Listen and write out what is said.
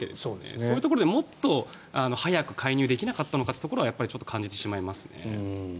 そういうところでもっと早く介入できなかったのかというところはやっぱり感じてしまいますね。